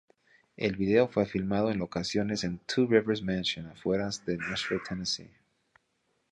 El video fue filmado en locaciones en Two Rivers Mansion afueras de Nashville, Tennessee.